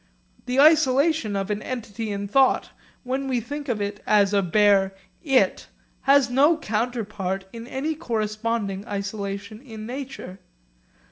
The isolation of an entity in thought, when we think of it as a bare 'it,' has no counterpart in any corresponding isolation in nature.